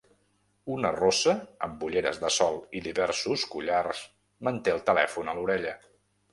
Una rossa amb ulleres de sol i diversos collars manté el telèfon a l'orella.